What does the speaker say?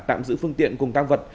tạm giữ phương tiện cùng tác vật